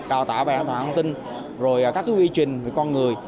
đào tạo về an toàn thông tin rồi các quy trình về con người